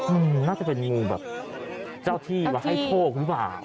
มันน่าจะเป็นงูแบบเจ้าที่มาให้โชคหรือเปล่า